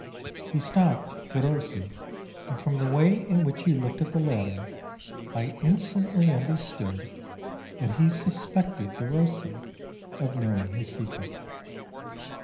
He stopped Derossi, and from the way in which he looked at the latter I instantly understood that he suspected Derossi of knowing his secret.